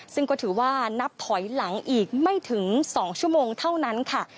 ซึ่งก็ถือว่านับถอยหลังอีกไม่ถึง๒ชั่วโมงเท่านั้นค่ะ